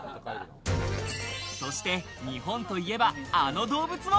そして日本といえばあの動物も。